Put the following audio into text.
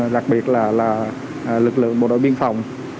đặc biệt là lực lượng bộ đội biên phòng